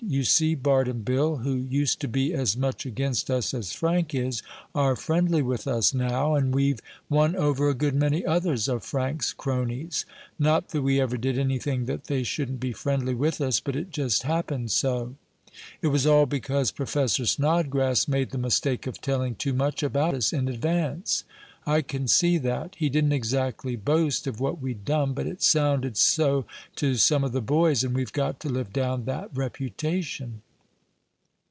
"You see Bart and Bill, who used to be as much against us as Frank is, are friendly with us now. And we've won over a good many others of Frank's cronies. Not that we ever did anything that they shouldn't be friendly with us, but it just happened so. It was all because Professor Snodgrass made the mistake of telling too much about us in advance. I can see that. He didn't exactly boast of what we'd done, but it sounded so to some of the boys, and we've got to live down that reputation.